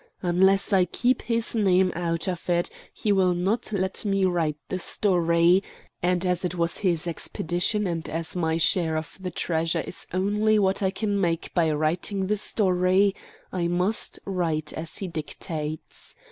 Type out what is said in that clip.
Unless I keep his name out of it he will not let me write the story, and, as it was his expedition and as my share of the treasure is only what I can make by writing the story, I must write as he dictates.